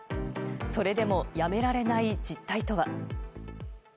それでもやめられない実態とは。